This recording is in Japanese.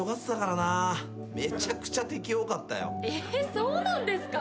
そうなんですか？